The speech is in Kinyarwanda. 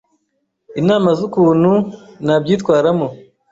inama z’ukuntu nabyitwaramo.